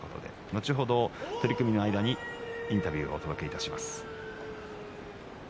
後ほどインタビューをお届けいたします。